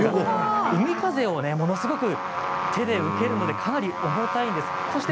海風をものすごく手で受けるのでかなり重たいです。